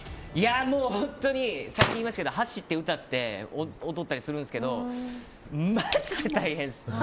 本当にさっき言いましたけど走って、歌って踊ったりするんですけどマジで大変です。